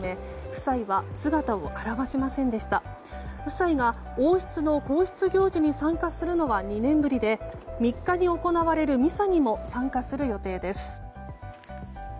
夫妻が王室の公式行事に参加するのは２年ぶりで３日に行われるミサにも参加する予定です。